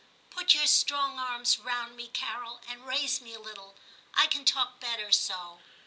Put your strong arms round me, Carol, and raise me a little ; I can talk better so.'